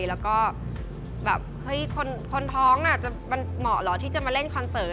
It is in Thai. และก็คิดว่าคนท้องเหมาะเหรอที่จะมาเล่นคอนเซอร์